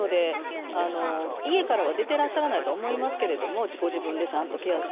家からは出ていらっしゃらないと思いますけど、ご自分でちゃんとケアして。